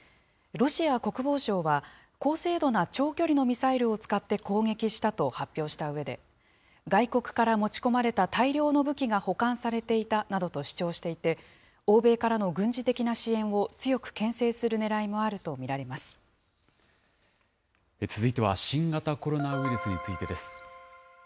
ロシア国防省は、高精度な長距離のミサイルを使って攻撃したと発表したうえで、外国から持ち込まれた大量の武器が保管されていたなどと主張していて、欧米からの軍事的な支援を強くけん制するねらいもあると見続いては新型コロナウイルスについてです。